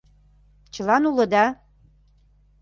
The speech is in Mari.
Чылан улыда?